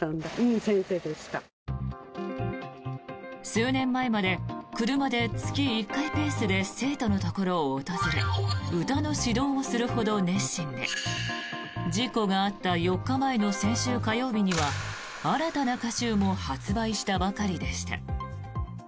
数年前まで車で月１回ペースで生徒のところを訪れ歌の指導をするほど熱心で事故があった４日前の先週火曜日には新たな歌集も発売したばかりでした。